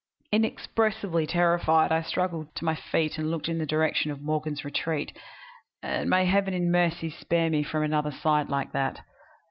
Inexpressibly terrified, I struggled to my feet and looked in the direction of Morgan's retreat; and may heaven in mercy spare me from another sight like that!